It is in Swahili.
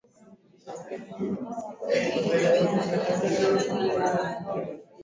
Walitoa barua kwa upinzani wakisema wanahitaji muda kujiandaa ili kuhakikisha kunakuwepo Amani kwenye mkutano huo